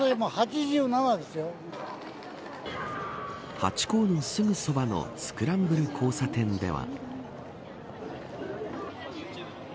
ハチ公のすぐそばのスクランブル交差点では。